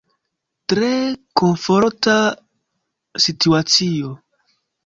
Tre komforta situacio.